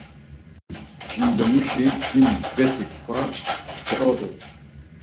Jindomuşi him bet̆i kva keodu.